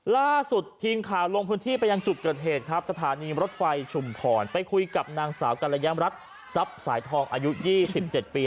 ล่าสุดทีมข่าวลงพื้นที่ไปยังจุดเกิดเหตุครับสถานีรถไฟชุมพรไปคุยกับนางสาวกรยามรัฐทรัพย์สายทองอายุ๒๗ปี